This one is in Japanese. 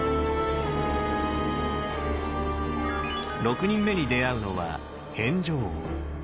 ６人目に出会うのは変成王。